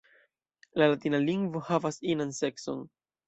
La latina lingvo havas inan sekson.